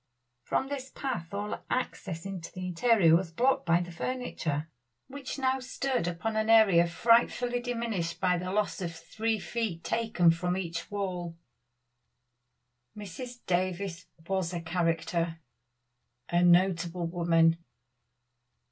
From this path all access into the interior was blocked by the furniture, which now stood upon an area frightfully diminished by this loss of three feet taken from each wall. Mrs. Davies was a character a notable woman.